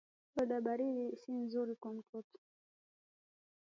Soda baridi si nzuri kwa mtoto